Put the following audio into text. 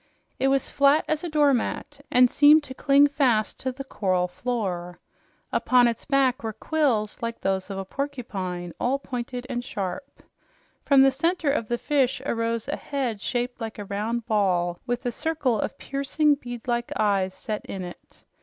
It was flat as a doormat and seemed to cling fast to the coral floor. Upon its back were quills like those of a porcupine, all pointed and sharp. From the center of the fish arose a head shaped like a round ball, with a circle of piercing, bead like eyes set in it.